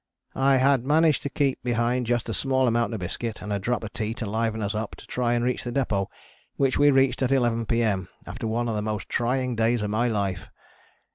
I had managed to keep behind just a small amount of biscuit and a drop of tea to liven us up to try and reach the depôt, which we reached at 11 P.M. after one of the most trying days of my life.